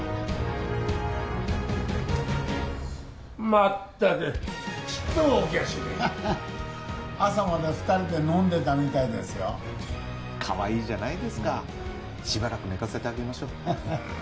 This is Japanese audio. まったくちっとも起きやしねえハハッ朝まで二人で飲んでたみたいですよかわいいじゃないですかしばらく寝かせてあげましょうハハハ